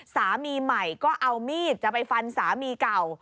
สามีใหม่ก็เอามีดจะไปฟันสามีเก่า